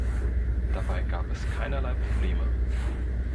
Dabei gab es keinerlei Probleme.